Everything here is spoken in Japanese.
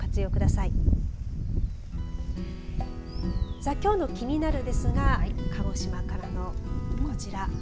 さあ、きょうのキニナル！ですが鹿児島からのこちら。